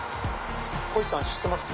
こひさん知ってます？